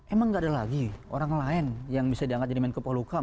emang gak ada lagi orang lain yang bisa diangkat jadi menko polukam